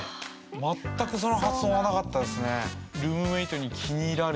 全くその発想はなかったですね。